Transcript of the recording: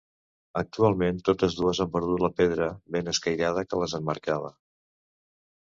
Actualment totes dues han perdut la pedra ben escairada que les emmarcava.